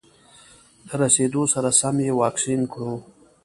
له رسېدو سره سم یې واکسین کړو.